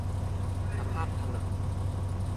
สภาพถนน